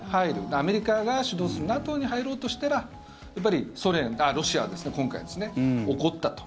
アメリカが主導するＮＡＴＯに入ろうとしたらやっぱり、今回ロシアは怒ったと。